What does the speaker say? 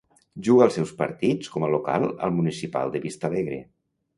Juga els seus partits com a local al Municipal de Vista Alegre.